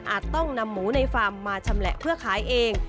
ต้องนำหมูในฟาร์มมาชำแหละเพื่อขายเอง